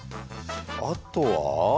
あとは。